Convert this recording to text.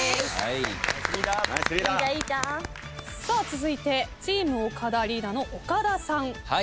続いてチーム岡田リーダーの岡田さん。